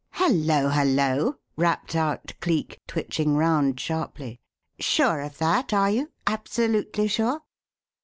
"Hello! Hello!" rapped out Cleek, twitching round sharply. "Sure of that, are you absolutely sure?"